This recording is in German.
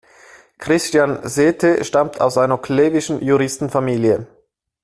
Christian Sethe stammte aus einer klevischen Juristenfamilie.